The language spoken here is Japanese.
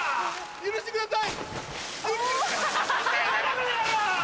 許してください！